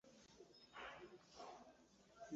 ubundi uri mutabazi tuva inda imwe ??".